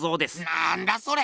なんだそれ！